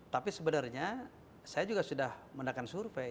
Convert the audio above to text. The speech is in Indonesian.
tapi sebenarnya saya juga sudah mendapatkan survei